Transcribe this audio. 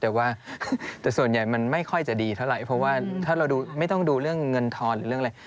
แต่ว่าแต่ส่วนใหญ่มันไม่ค่อยจะดีเท่าไหร่เพราะว่าถ้าเราดูไม่ต้องดูเรื่องเงินทอนหรือเรื่องอะไร